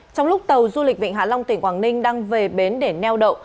trong lúc tàu du lịch vịnh hạ long tỉnh quảng ninh đang về bến để neo đậu